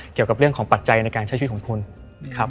เกี่ยวกับเรื่องของปัจจัยในการใช้ชีวิตของคุณนะครับ